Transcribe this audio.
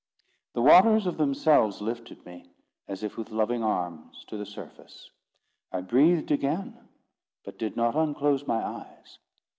The waters of themselves lifted me, as with loving arms, to the surface. I breathed again, but did not unclose my eyes.